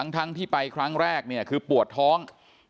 ทั้งที่ไปครั้งแรกเนี่ยคือปวดท้อง